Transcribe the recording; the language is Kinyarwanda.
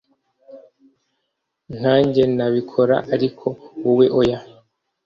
nkanjye nabikora ariko wowe oya